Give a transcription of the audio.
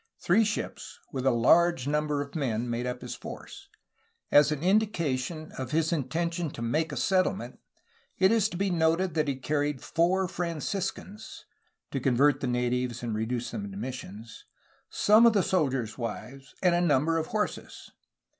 Three ships, with a large number of men, made up his force. As an indi cation of his intention to make a settlement it is to be noted that he carried four Franciscans (to convert the natives and reduce them to missions), some of the soldiers' wives, and a number of horses.